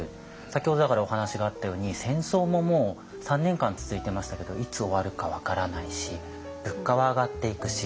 先ほどだからお話があったように戦争ももう３年間続いてましたけどいつ終わるか分からないし物価は上がっていくし。